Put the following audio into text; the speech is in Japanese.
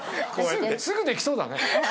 すぐできそうだね。